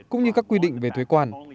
cũng như các quy định về thuế quan